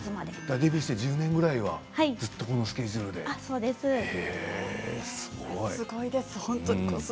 デビューして１０年ぐらいは、このスケジュールだったんですね。